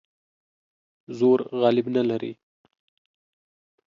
زور غالب نه لري.